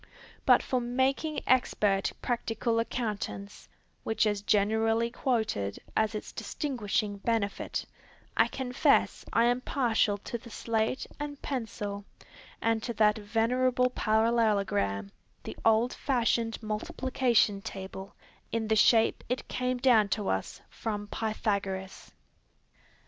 But for making expert practical accountants, which is generally quoted as its distinguishing benefit, I confess I am partial to the slate and pencil, and to that venerable parallelogram, the old fashioned Multiplication Table, in the shape it came down to us from Pythagoras.